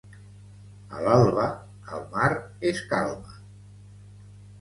A l'alba, el mar es calma.